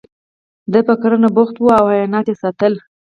دی په کرنه بوخت و او حیوانات یې ساتل